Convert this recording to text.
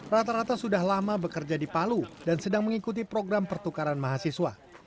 rata rata sudah lama bekerja di palu dan sedang mengikuti program pertukaran mahasiswa